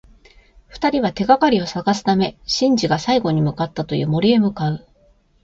二人は、手がかりを探すためシンジが最後に向かったという森へ向かう。